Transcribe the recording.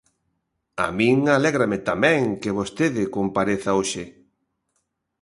A min alégrame tamén que vostede compareza hoxe.